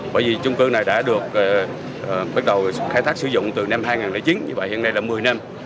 bởi vì chung cư này đã được bắt đầu khai thác sử dụng từ năm hai nghìn chín như vậy hiện nay là một mươi năm